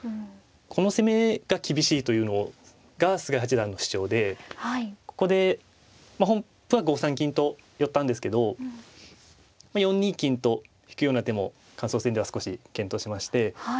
この攻めが厳しいというのが菅井八段の主張でここでまあ本譜は５三金と寄ったんですけど４二金と引くような手も感想戦では少し検討しまして。